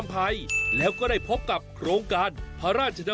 การเปลี่ยนแปลงในครั้งนั้นก็มาจากการไปเยี่ยมยาบที่จังหวัดก้าและสินใช่ไหมครับพี่รำไพ